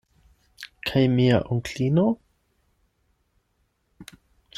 Kaj mia onklino?